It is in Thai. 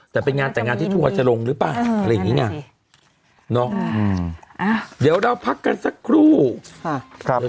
จะเป็นงานที่ครัวจะลงหรือป่าวเออใช่แน่นอนสิ